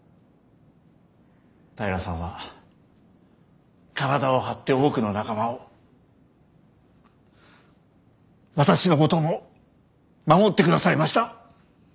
平良さんは体を張って多くの仲間を私のことも守ってくださいました。